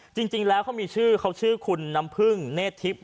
จริงแล้วเขามีชื่อเขาชื่อคุณน้ำพึ่งเนธทิพย์